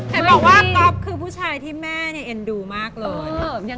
เห็นบอกว่าก๊อฟคือผู้ชายที่แม่เนี่ยเอ็นดูมากเลย